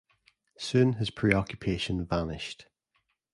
Soon his preoccupation vanished.